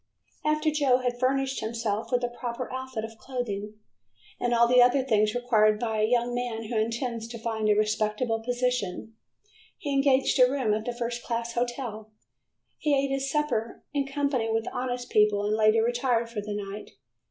After Joe had furnished himself with a proper outfit of clothing, and all the other things required by a young man who intends to find a respectable position, he engaged a room at a first class hotel. He ate his supper in company with honest people and later retired for the night.